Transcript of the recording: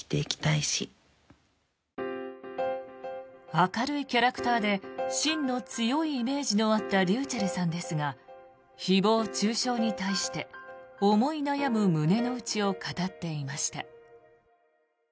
明るいキャラクターで芯の強いイメージのあったｒｙｕｃｈｅｌｌさんですが誹謗・中傷に対して思い悩む胸の内を語っていました。